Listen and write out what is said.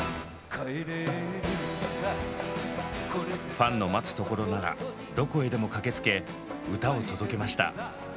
ファンの待つところならどこへでも駆けつけ歌を届けました。